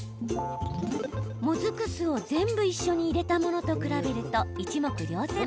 もずく酢を全部一緒に入れたものと比べると一目瞭然。